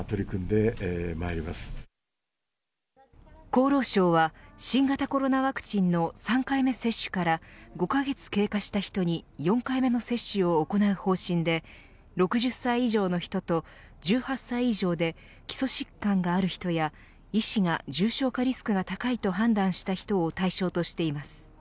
厚労省は新型コロナワクチンの３回目接種から５カ月経過した人に４回目の接種を行う方針で６０歳以上の人と１８歳以上で基礎疾患がある人や医師が重症化リスクが高いと判断した人を対象としています。